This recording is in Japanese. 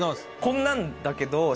こんなんだけど。